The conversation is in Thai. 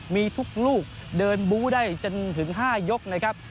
มีทุกลูกเดินบู้ได้จนถึง๕ยกนะครับ